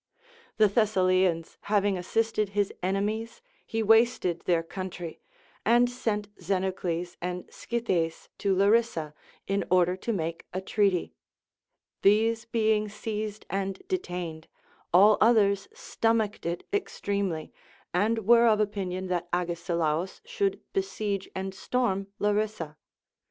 The Thessalians having assisted his enemies, he wasted their country, and sent Xenocles and Scythes to Larissa in order to make a treaty. These being seized and detained, all others stomached it extreme ly, and were of opinion that Agesilaus should besiege and storm Larissa.